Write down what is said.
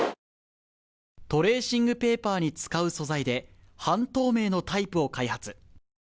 トレーシングペーパーに使う素材で、半透明のタイプを開発。